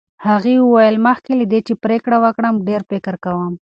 هغې وویل، مخکې له دې چې پرېکړه وکړم ډېر فکر کوم.